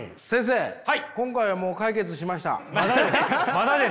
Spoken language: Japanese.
まだです。